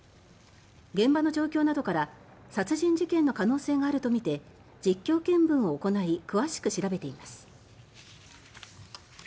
現場の状況などから殺人事件の可能性があるとみて実況見分を行い詳しく調べています。